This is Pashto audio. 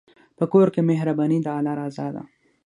په کور کې مهرباني د الله رضا ده.